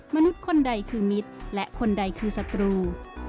มนุษย์คนใดคือมิตรและคนใดคือศัตรู